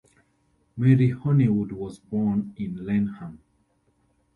Mary Honywood was born in Lenham.